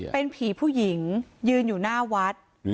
เป็นผีผู้หญิงยืนอยู่หน้าวัด